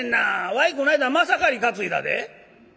わいこないだまさかり担いだで」。